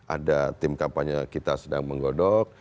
ada tim kampanye kita sedang menggodok